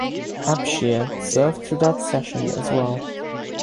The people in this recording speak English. Abshier served through that session as well.